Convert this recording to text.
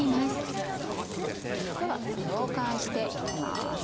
ではこれを返して行きます。